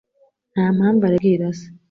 Ntampamvu Alex atagomba kubwira se.